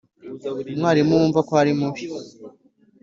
Umwarimu wumva ko ari mubi.